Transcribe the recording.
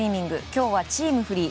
今日はチームフリー。